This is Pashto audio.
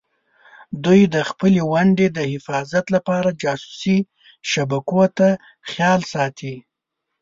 دوی د خپلې ونډې د حفاظت لپاره جاسوسي شبکو ته خیال ساتي.